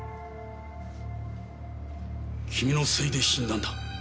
君のせいで死んだんだ。